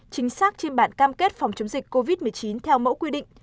chính xác trên bản cam kết phòng chống dịch covid một mươi chín theo mẫu quy định